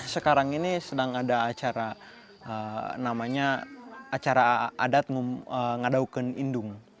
sekarang ini sedang ada acara namanya acara adat ngadauken indung